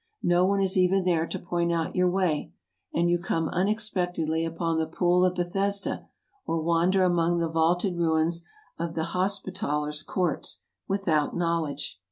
No one is even there to point out your way; and you come un expectedly upon the Pool of Bethesda, or wander among the vaulted ruins of the Hospitallers' courts, without know ing it.